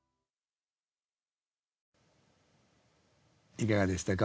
いかがでしたか？